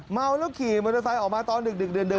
เมาแล้วขี่มอเตอร์ไซค์ออกมาตอนดึกดื่น